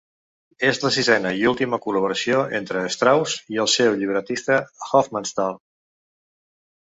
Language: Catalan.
És la sisena i última col·laboració entre Strauss i el seu llibretista Hofmannsthal.